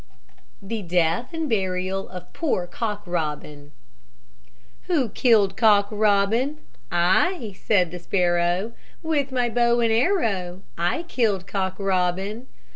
THE DEATH AND BURIAL OF POOR COCK ROBIN Who killed Cock Robin? "I," said the sparrow, "With my little bow and arrow, I killed Cock Robin."